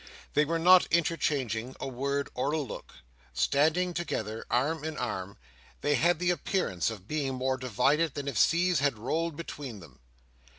They were not interchanging a word or a look. Standing together, arm in arm, they had the appearance of being more divided than if seas had rolled between them.